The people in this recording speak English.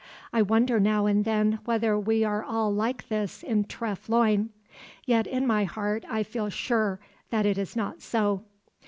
I wonder now and then whether we are all like this in Treff Loyne; yet in my heart I feel sure that it is not so.